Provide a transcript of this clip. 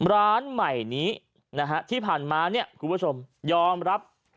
ร้านใหม่นี้ที่ผ่านมาคุณผู้ชมยอมรับ